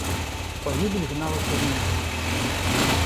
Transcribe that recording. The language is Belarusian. Пагібель гналася за намі.